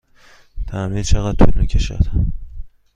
تعمیر چقدر طول می کشد؟